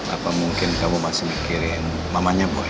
apa mungkin kamu masih mikirin mamanya